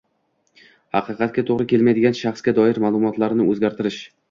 Haqiqatga to‘g‘ri kelmaydigan shaxsga doir ma’lumotlarni o‘zgartirish